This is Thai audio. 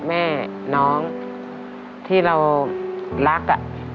แม่น้องที่เรารัก